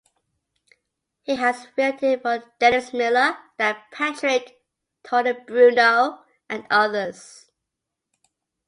He has filled in for Dennis Miller, Dan Patrick, Tony Bruno and others.